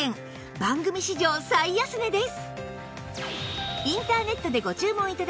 番組史上最安値です！